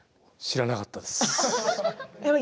知らなかったです。